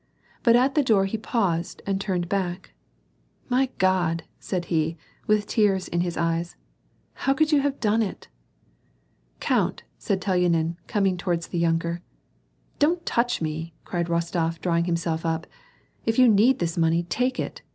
But at the door he paused and turned hack, " My God !" said he, with tears in his eyes ;" how could you have done it ?'' "Count!" said Telyanin, coming towards the yunker. "Don't touch me," cried Bostof, drawing himself up. " If you need this money, take it."